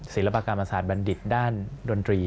ศิลปกรรมศาสตร์บัณฑิตด้านดนตรี